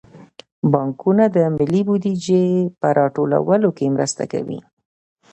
بانکونه د ملي بودیجې په راټولولو کې مرسته کوي.